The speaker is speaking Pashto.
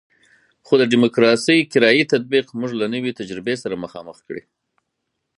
خو د ډیموکراسي کرایي تطبیق موږ له نوې تجربې سره مخامخ کړی.